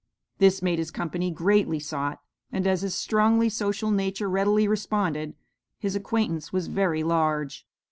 This made his company greatly sought, and as his strongly social nature readily responded, his acquaintance was very large.